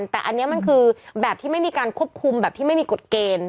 แต่อันนี้มันคือแบบที่ไม่มีการควบคุมแบบที่ไม่มีกฎเกณฑ์